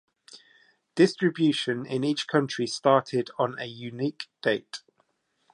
Distribution in each country started on a unique date.